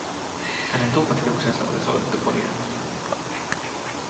Hänen tummat hiuksensa oli solmittu ponihännälle.